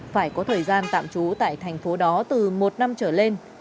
phải có thời gian tạm trú tại thành phố đó từ một năm trở lên